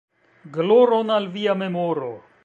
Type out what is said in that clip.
Gloron al via memoro!".